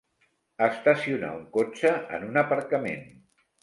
Estacionar un cotxe en un aparcament.